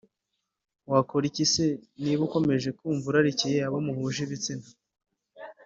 Wakora iki se niba ukomeje kumva urarikiye abo muhuje igitsina